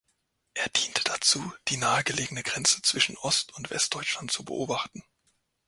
Er diente dazu, die nahe gelegene Grenze zwischen Ost- und Westdeutschland zu beobachten.